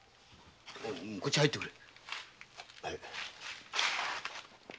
こっち入ってくれ。